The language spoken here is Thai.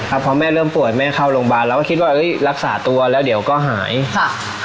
พอแม่เริ่มป่วยแม่เข้าโรงพยาบาลเราก็คิดว่าเอ้ยรักษาตัวแล้วเดี๋ยวก็หายค่ะ